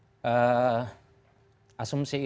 asumsi itu tidak sepertinya